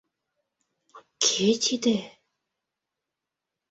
Кӧ тиде?..